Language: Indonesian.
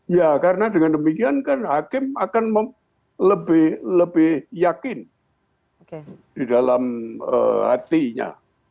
ya karena dengan demikian kan hakim akan lebih yakin di dalam hatinya